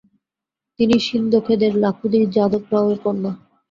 তিনি সিন্ধখেদের লাখুজি যাদব রাও এর কন্যা।